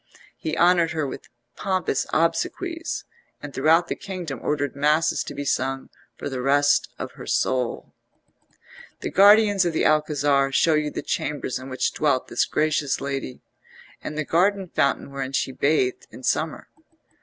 He honoured her with pompous obsequies, and throughout the kingdom ordered masses to be sung for the rest of her soul. The guardians of the Alcazar show you the chambers in which dwelt this gracious lady, and the garden fountain wherein she bathed in summer.